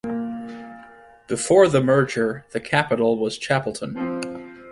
Before the merger, the capital was Chapelton.